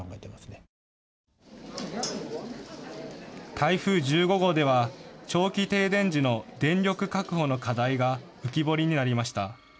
台風１５号では長期停電時の電力確保の課題が浮き彫りになりました。